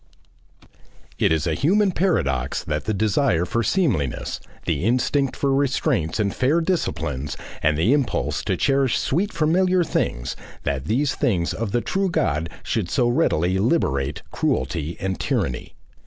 It is a human paradox that the desire for seemliness, the instinct for restraints and fair disciplines, and the impulse to cherish sweet familiar things, that these things of the True God should so readily liberate cruelty and tyranny.